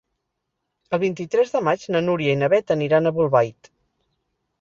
El vint-i-tres de maig na Núria i na Beth aniran a Bolbait.